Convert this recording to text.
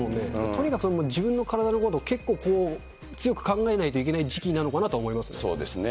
とにかく自分の体のことを結構強く考えないといけない時期なのかそうですね。